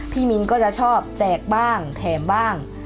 มินก็จะชอบแจกบ้างแถมบ้าง